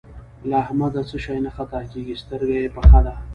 له احمده څه شی نه خطا کېږي؛ سترګه يې پخه ده.